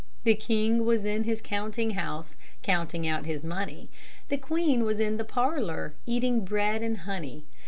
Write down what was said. The king was in his counting house, Counting out his money; The queen was in the parlor, Eating bread and honey.